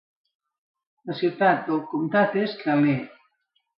La ciutat del comtat és Tralee.